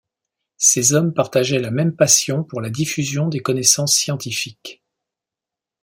Ces hommes partageaient la même passion pour la diffusion des connaissances scientifiques.